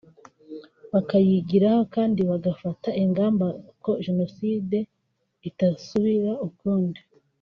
bakayigiraho kandi bagafata ingamba ko Jenoside itazasubira ukundi